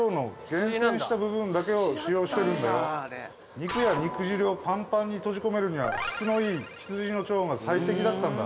肉や肉汁をパンパンに閉じ込めるには質のいい羊の腸が最適だったんだ。